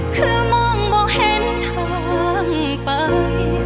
คือมองบ่เห็นทางไป